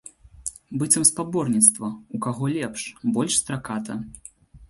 Быццам спаборніцтва, у каго лепш, больш страката.